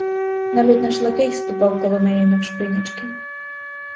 Навіть наш лакей ступав коло неї навшпинячки.